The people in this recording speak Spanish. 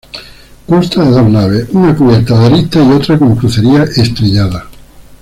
Consta de dos naves, una cubierta con arista y otra con crucería estrellada.